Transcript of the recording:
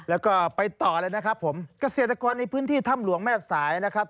แล้วก็ไปต่อเลยนะครับผมเกษตรกรในพื้นที่ถ้ำหลวงแม่สายนะครับ